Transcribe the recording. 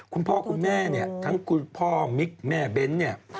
คุณพ่อคุณแม่ทั้งคุณพ่อมิ๊กแม่เบ้น